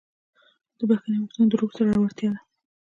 د بښنې غوښتنه د روح زړورتیا ده.